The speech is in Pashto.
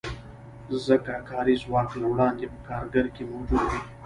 ځکه کاري ځواک له وړاندې په کارګر کې موجود وي